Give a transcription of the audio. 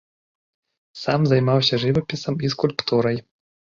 Сам займаўся жывапісам і скульптурай.